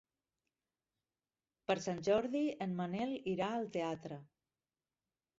Per Sant Jordi en Manel irà al teatre.